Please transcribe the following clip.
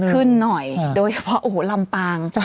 ขึ้นหน่อยโดยเฉพาะโอ้โหลำปาง